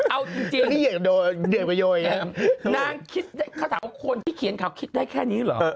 เอาจริงนี่นางคิดเขาถามว่าคนที่เขียนข่าวคิดได้แค่นี้เหรอ